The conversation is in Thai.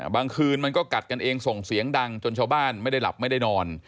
คืนมันก็กัดกันเองส่งเสียงดังจนชาวบ้านไม่ได้หลับไม่ได้นอน